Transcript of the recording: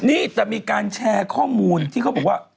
นี่จะมีการแชร์ข้อมูลที่เขาบอกว่า